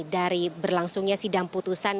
dari berlangsungnya sidang putusan